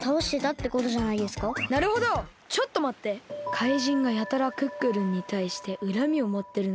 怪人がやたらクックルンにたいしてうらみをもってるのって。